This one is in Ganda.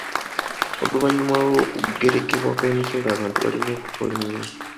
Oluvannyuma lw’okugerekebwa kw’emisolo, abantu balina okukola ennyo.